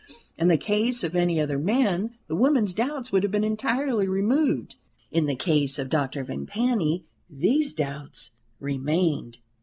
In the case of any other man, the woman's doubts would have been entirely removed; in the case of Dr. Vimpany these doubts remained.